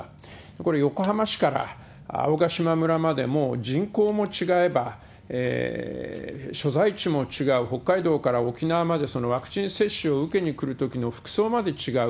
これ、横浜市から青ヶ島村まで、人口も違えば所在地も違う、北海道から沖縄まで、ワクチン接種を受けに来るときの服装まで違う。